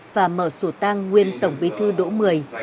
và mở sổ tang nguyên tổng bí thư đỗ mười